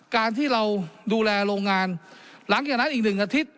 การที่เราดูแลโรงงานหลังจากนั้นอีกหนึ่งอาทิตย์